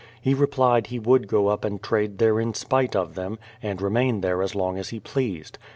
He replied he would go up and trade there in spite of them, and remain there as long as he pleased.